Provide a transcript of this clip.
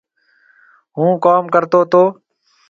هُون ڪوم ڪرتو تو